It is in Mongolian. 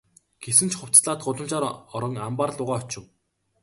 Гэсэн ч хувцаслаад гудамжаар орон амбаар луугаа очив.